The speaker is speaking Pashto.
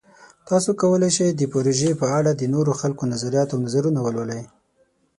تاسو کولی شئ د پروژې په اړه د نورو خلکو نظریات او نظرونه ولولئ.